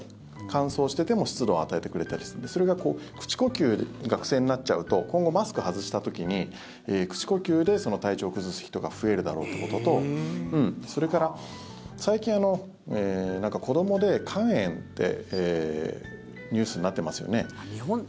乾燥してても湿度を与えてくれたりするのでそれが口呼吸が癖になっちゃうと今後、マスクを外した時に口呼吸で体調を崩す人が増えるだろうってこととそれから、最近子どもで肝炎ってニュースになってますよね。